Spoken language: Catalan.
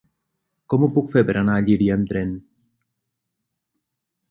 Com ho puc fer per anar a Llíria amb tren?